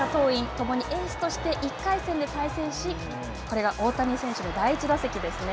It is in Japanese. ともにエースとして１回戦で対戦し、これが大谷選手の第１打席ですね。